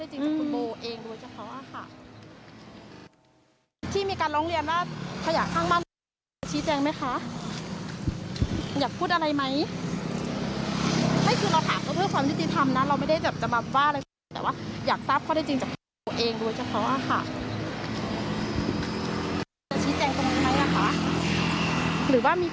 หรือว่ามีปัญหาอะไรกับเพื่อนบ้านไหมอ่ะคะพี่